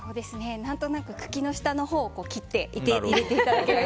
何となく茎の下のほうを切って入れていただければ。